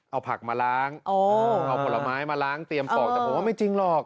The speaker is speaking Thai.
เอาผักมาล้างเอาผลไม้มาล้างเตรียมปอกแต่ผมว่าไม่จริงหรอก